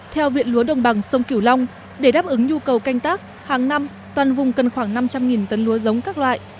theo viện lúa đồng bằng sông kiểu long để đáp ứng nhu cầu canh tác hàng năm toàn vùng cần khoảng năm trăm linh tấn lúa giống các loại